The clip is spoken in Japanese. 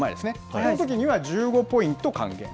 このときには１５ポイント還元。